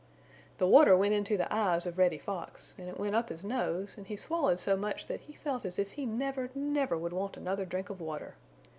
The water went into the eyes of Reddy Fox, and it went up his nose and he swallowed so much that he felt as if he never, never would want another drink of water.